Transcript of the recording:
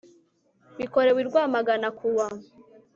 bikorewe i rwamagana kuwa